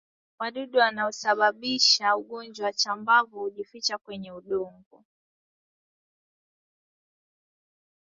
Wadudu wanaosababisha ugonjwa wa chambavu hujificha kwenye udongo